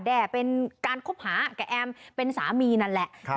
แด้เป็นการคบหากับแอมเป็นสามีนั่นแหละ